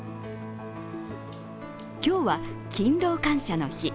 今日は勤労感謝の日。